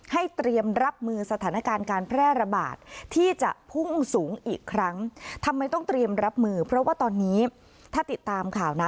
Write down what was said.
เตรียมรับมือสถานการณ์การแพร่ระบาดที่จะพุ่งสูงอีกครั้งทำไมต้องเตรียมรับมือเพราะว่าตอนนี้ถ้าติดตามข่าวนะ